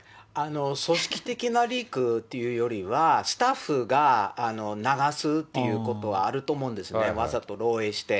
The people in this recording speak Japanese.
組織的なリークというよりは、スタッフが流すっていうことはあると思うんですね、わざと漏えいして。